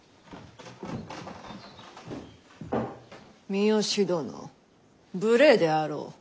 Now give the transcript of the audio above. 三好殿無礼であろう。